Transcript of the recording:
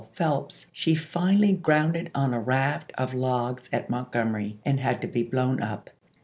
Phelps, she finally grounded on a raft of logs at Montgomery and had to be blown up.